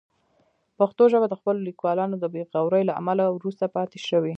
پښتو ژبه د خپلو لیکوالانو د بې غورۍ له امله وروسته پاتې شوې.